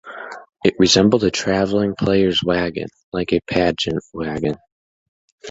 It resembled a traveling players' wagon, like a pageant wagon.